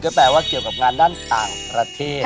แปลว่าเกี่ยวกับงานด้านต่างประเทศ